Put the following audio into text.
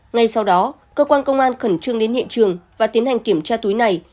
ngay sau đó cơ quan công an khẩn trương đến hiện trường và tiến hành kiểm tra túi này